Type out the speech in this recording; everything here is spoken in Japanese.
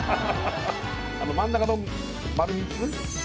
あの真ん中の丸３つ？